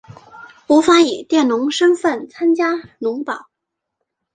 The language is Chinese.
无法以佃农身分参加农保